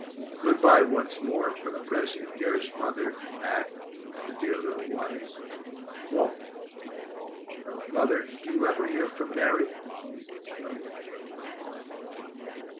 Good bye once more, for the present, dearest mother, Mat, and the dear little ones. WALT. Mother, do you ever hear from Mary?